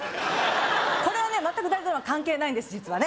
これはね全く大映ドラマ関係ないんです実はね